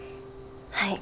はい。